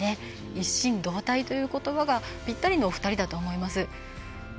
一心同体ということばがぴったりのお二人だと思います。